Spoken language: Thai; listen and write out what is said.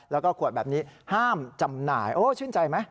แล้วก็ขวดแบบนี้ห้ามจำหน่ายโอ้ชื่นใจไหม